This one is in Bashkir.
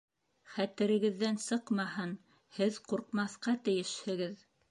Хәтерегеҙҙән сыҡмаһын, һеҙ ҡурҡмаҫҡа тейешһегеҙ.